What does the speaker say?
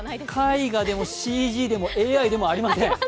絵画でもＣＧでもＡＩでもありません。